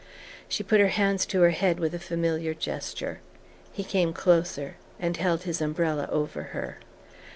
She put her hands to her head with a familiar gesture...He came closer and held his umbrella over her...